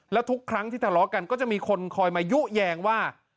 แล้วทุกครั้งที่ทะเลาะกันก็จะมีคนคอยมายุแยงว่า